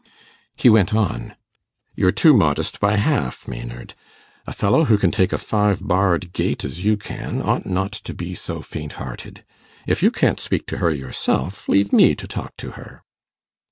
He went on: 'You're too modest by half, Maynard. A fellow who can take a five barred gate as you can, ought not to be so faint hearted. If you can't speak to her yourself, leave me to talk to her.